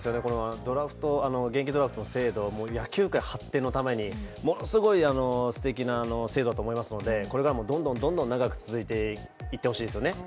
現役ドラフト制度は野球界発展のためにものすごいすてきな制度だと思いますので、これからもどんどん長く続いていってほしいですね。